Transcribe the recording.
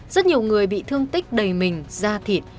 rất nhiều người bị thương tích đầy mình da thịt